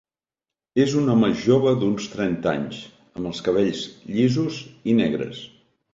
És un home jove d'uns trenta anys, amb els cabells llisos i negres.